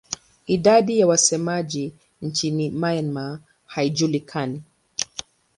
Idadi ya wasemaji nchini Myanmar haijulikani.